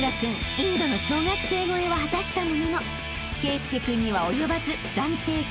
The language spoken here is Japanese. インドの小学生超えは果たしたものの圭佑君には及ばず暫定世界２位に］